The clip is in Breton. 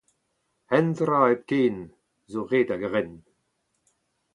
Un dra hepken zo ret a-grenn.